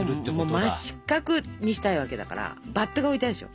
真四角にしたいわけだから。バットが置いてあるでしょ。